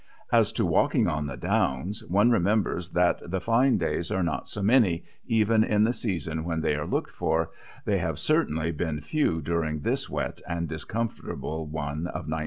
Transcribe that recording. As to walking on the downs, one remembers that the fine days are not so many, even in the season when they are looked for they have certainly been few during this wet and discomfortable one of 1909.